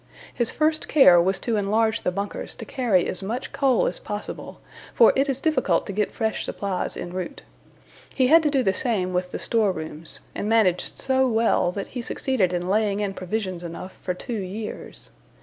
His first care was to enlarge the bunkers to carry as much coal as possible, for it is difficult to get fresh supplies en route. He had to do the same with the store rooms, and managed so well that he succeeded in laying in provisions enough for two years.